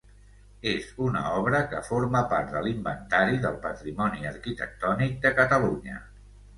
És una obra que forma part de l'Inventari del Patrimoni Arquitectònic de Catalunya.